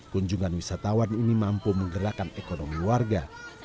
kunjungan wisatawan ini mampu menggerakkan ekonomi warga